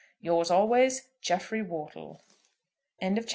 Yours always, "JEFFREY WORTLE." END OF VOL.